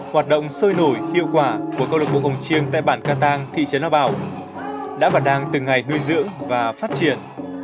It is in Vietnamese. hoạt động sôi nổi hiệu quả của công chiêng tại bản ca tăng thị trấn nào bảo đã bắt đăng từng ngày nuôi dưỡng và phát triển